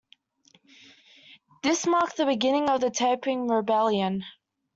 This marked the beginning of the Taiping Rebellion.